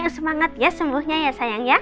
semangat ya semuanya ya sayang